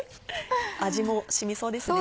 味も染みそうですね。